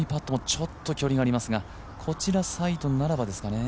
ちょっと距離がありますがこちらサイドならばですかね。